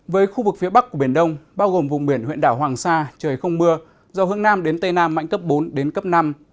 với khu vực phía bắc của biển đông bao gồm vùng biển huyện đảo hoàng sa trời không mưa gió hướng nam đến tây nam mạnh cấp bốn đến cấp năm